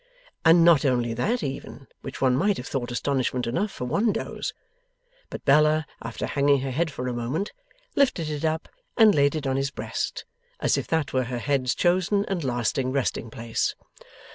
And not only that even, (which one might have thought astonishment enough for one dose), but Bella, after hanging her head for a moment, lifted it up and laid it on his breast, as if that were her head's chosen and lasting resting place!